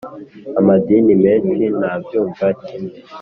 amadini menshi ntabyumva kimwe